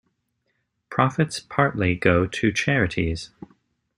Profits partly go to charities.